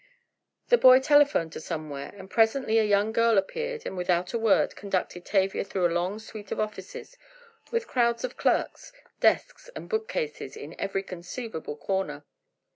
The boy telephoned to somewhere, and presently a young girl appeared, and without a word, conducted Tavia through a long suite of offices, with crowds of clerks, desks and bookcases in every conceivable corner.